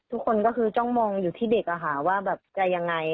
ทุกคนก็คือจ้องมองอยู่ที่เด็กว่าแบบจะยังไง